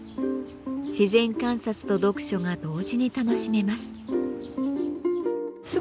自然観察と読書が同時に楽しめます。